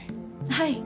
はい。